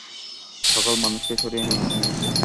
সকল মানুষকে সরিয়ে নেয়া হয়েছে।